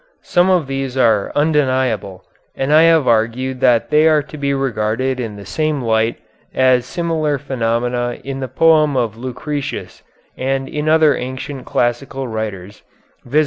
Some of these are undeniable; and I have argued that they are to be regarded in the same light as similar phenomena in the poem of Lucretius and in other ancient classical writers, viz.